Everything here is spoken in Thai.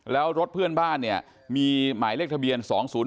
แล้วรถเพื่อนบ้านเนี่ยมีหมายเลขทะเบียน๒๐๔